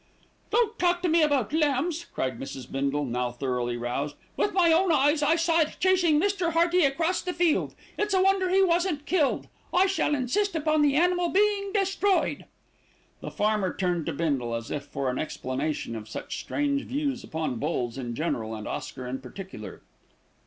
"Don't talk to me about lambs," cried Mrs. Bindle, now thoroughly roused. "With my own eyes I saw it chasing Mr. Hearty across the field. It's a wonder he wasn't killed. I shall insist upon the animal being destroyed." The farmer turned to Bindle, as if for an explanation of such strange views upon bulls in general and Oscar in particular.